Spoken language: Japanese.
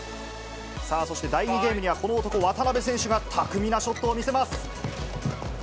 そして、第２ゲームにはこの男、渡辺選手が巧みなショットを見せます。